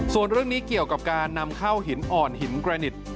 ส่วนเรื่องนี้เกี่ยวกับการนำเข้าหินอ่อนหินกระนิด